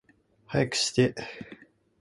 早くして